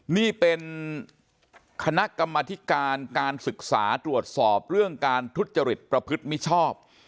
นี่เป็นคณะกรรมธิการการศึกษาตรวจสอบเรื่องการทุจริตประพฤติมิชชอบ